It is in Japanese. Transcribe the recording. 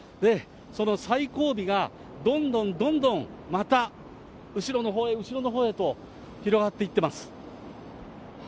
その最後尾がどんどんどんどんまた後ろのほうへ後ろのほうへと広がっていってます。